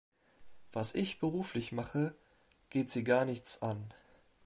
Was ich beruflich mache, geht Sie gar nichts an!